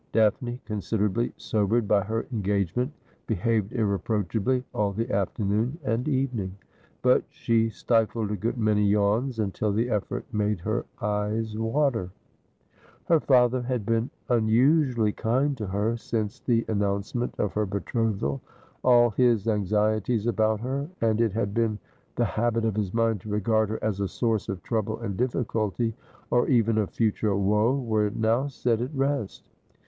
Daphne, considerably sobered by her engagement, behaved irreproachably all the afternoon and evening ; but she stifled a good many yawns, until the effort made her eyes water. 252 Asphodel. Her father had been unusually kind to her since the an nouncement of her betrothal. All his anxieties about her — and it had been the habit of his mind to regard her as a source of trouble and difficulty, or even of future woe — were now set at rest.